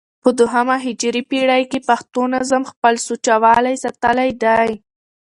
په دوهمه هجري پېړۍ کښي پښتو نظم خپل سوچه والى ساتلى دئ.